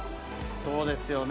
そうですよね。